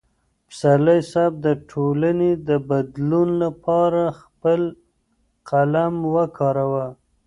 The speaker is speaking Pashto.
پسرلی صاحب د ټولنې د بدلون لپاره خپل قلم وکاراوه.